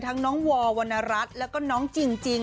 ทั้งน้องวอวนรัสแล้วก็น้องจิงจิง